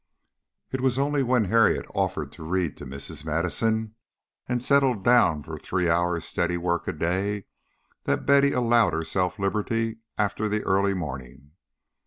It was only when Harriet offered to read to Mrs. Madison and settled down to three hours' steady work a day, that Betty allowed herself liberty after the early morning.